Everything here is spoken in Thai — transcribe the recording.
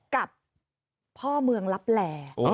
กับพ่อเมืองลับแหล่